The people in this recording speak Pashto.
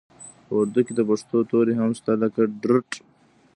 په اردو کې د پښتو توري هم شته لکه ډ ړ ټ